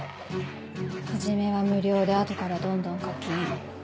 初めは無料で後からどんどん課金。